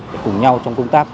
để cùng nhau trong công tác